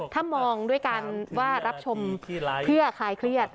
ถ้ามองด้วยการว่ารับชมเพื่อคลายเครียด